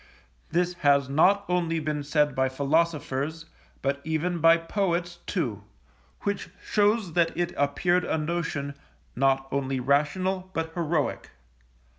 This has not only been said by philosophers, but even by poets, too; which shows that it appeared a notion, not only rational, but heroic.